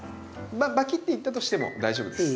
バキッていったとしても大丈夫です。